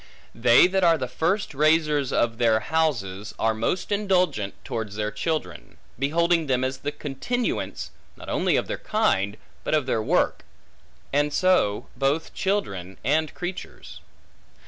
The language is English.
They that are the first raisers of their houses, are most indulgent towards their children; beholding them as the continuance, not only of their kind, but of their work; and so both children and creatures.